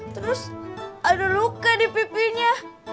terus ada luka di pipinya